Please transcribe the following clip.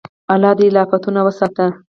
الله دې له افتونو وساتي.